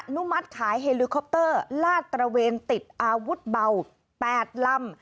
นุมัติขายเฮลิคอปเตอร์ลาดตระเวนติดอาวุธเบา๘ลำ